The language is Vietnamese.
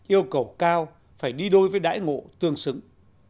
yêu cầu cao phải đi đôi với đãi ngộ tương xứng